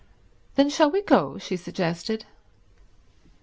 "Then shall we go?" she suggested.